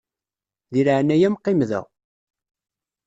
Di leɛnaya-m qqim da.